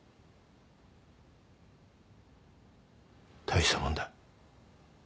大したもんだ。